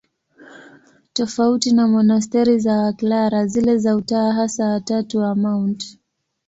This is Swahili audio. Tofauti na monasteri za Waklara, zile za Utawa Hasa wa Tatu wa Mt.